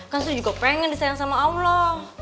kan saya juga pengen disayang sama allah